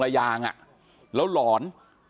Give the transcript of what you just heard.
รายยางแล้วหลอน